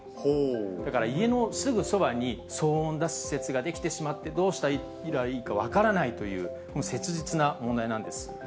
だから家のすぐそばに騒音を出す施設が出来てしまって、どうしたらいいか分からないという、切実な問題なんです。